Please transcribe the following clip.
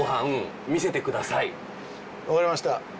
わかりました。